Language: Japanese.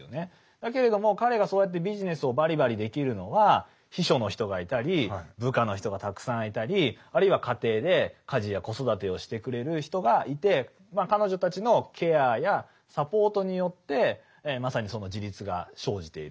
だけれども彼がそうやってビジネスをバリバリできるのは秘書の人がいたり部下の人がたくさんいたりあるいは家庭で家事や子育てをしてくれる人がいてということは逆にいうとそので恐らくあそうそう。